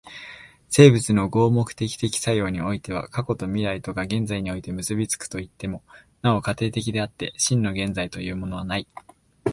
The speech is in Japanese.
生物の合目的的作用においては過去と未来とが現在において結び付くといっても、なお過程的であって、真の現在というものはない。